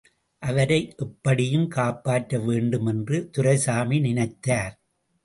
அவரை எப்படியும் காப்பாற்ற வேண்டும் என்று துரைசாமி நினைத்தார்.